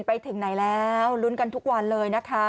ไปถึงไหนแล้วลุ้นกันทุกวันเลยนะคะ